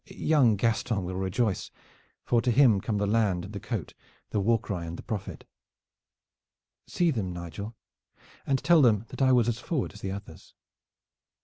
Young Gaston will rejoice, for to him come the land and the coat, the war cry and the profit. See them, Nigel, and tell them that I was as forward as the others."